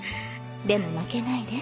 でも負けないで。